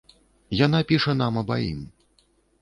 Яна піша нам абаім.